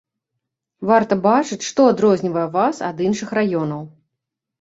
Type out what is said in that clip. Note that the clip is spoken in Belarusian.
Варта бачыць, што адрознівае вас ад іншых раёнаў.